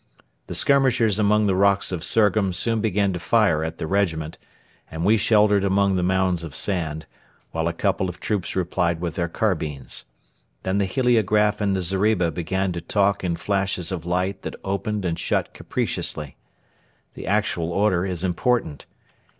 The skirmishers among the rocks of Surgham soon began to fire at the regiment, and we sheltered among the mounds of sand, while a couple of troops replied with their carbines. Then the heliograph in the zeriba began to talk in flashes of light that opened and shut capriciously. The actual order is important.